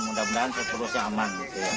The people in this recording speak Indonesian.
mudah mudahan seterusnya aman